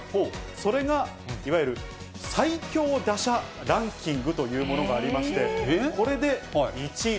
それがいわゆる最強打者ランキングというものがありまして、なるほど。